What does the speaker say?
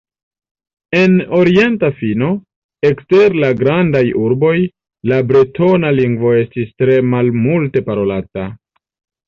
En orienta fino, ekster la grandaj urboj, la bretona lingvo estis tre malmulte parolata.